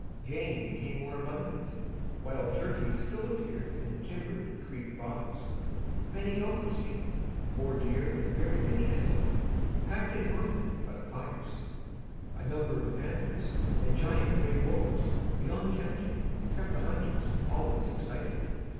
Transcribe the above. Game became more abundant, wild turkeys still appeared in the timbered creek bottoms. Many elk were seen, more deer and very many antelope, packed in northward by the fires. A number of panthers and giant gray wolves beyond counting kept the hunters always excited.